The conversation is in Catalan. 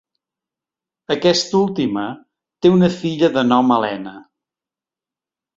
Aquesta última té una filla de nom Helena.